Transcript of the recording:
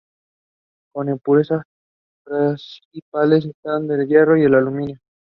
She wrote several plays and also acted herself.